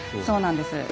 そうなんです。